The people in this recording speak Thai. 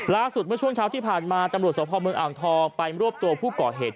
เมื่อช่วงเช้าที่ผ่านมาตำรวจสภเมืองอ่างทองไปรวบตัวผู้ก่อเหตุ